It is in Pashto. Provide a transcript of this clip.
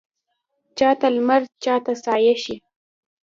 چا ته لمر چا ته سایه شي